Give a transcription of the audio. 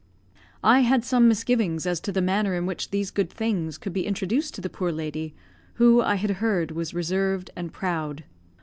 I had some misgivings as to the manner in which these good things could be introduced to the poor lady, who, I had heard, was reserved and proud.